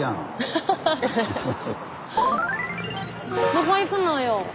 どこ行くのよ？